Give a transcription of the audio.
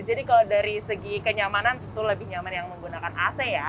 jadi kalau dari segi kenyamanan itu lebih nyaman yang menggunakan ac ya